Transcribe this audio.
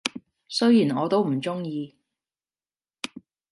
雖然我都唔鍾意